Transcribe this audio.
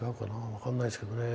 分かんないですけどね